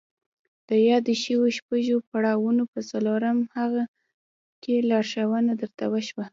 د يادو شويو شپږو پړاوونو په څلورم هغه کې لارښوونه درته وشوه.